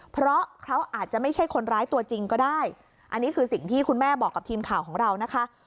เพราะเขาอาจจะไม่ใช่คนร้ายตัวจริงก็ได้อันนี้คือสิ่งที่คุณแม่บอกกับทีมข่าวของเรานะคะ